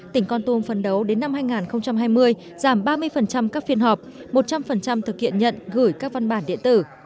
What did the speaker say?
tỉnh con tum phấn đấu đến năm hai nghìn hai mươi giảm ba mươi các phiên họp một trăm linh thực hiện nhận gửi các văn bản điện tử